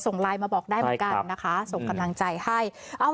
ส่งไลน์มาบอกได้เหมือนกันนะคะส่งกำลังใจให้